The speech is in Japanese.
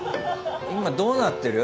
今どうなってる？